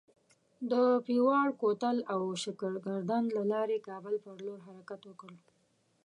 د پیواړ کوتل او شترګردن له لارې کابل پر لور حرکت وکړ.